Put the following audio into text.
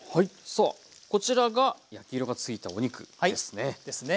さあこちらが焼き色がついたお肉ですね。